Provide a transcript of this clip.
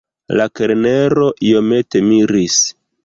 La kelnero iomete miris.